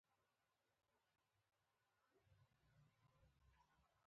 ټاکنې باید خپلواکه او پټې وشي.